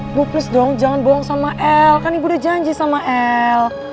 ibu please dong jangan bohong sama el kan ibu udah janji sama el